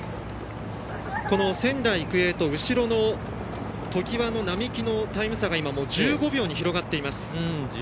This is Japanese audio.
仙台育英と後ろの常磐の並木のタイム差が１５秒に広がっています。